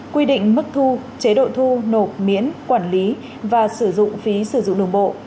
quy định mức thu chế độ thu nộp miễn quản lý và sử dụng phí sử dụng đường bộ